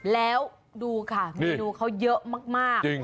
แล้วดูค่ะเมนูเขาเยอะมาก